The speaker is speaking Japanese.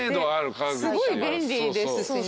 すごい便利ですしね。